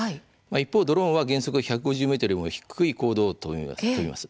一方、ドローンは原則１５０ｍより低い高度を飛びます。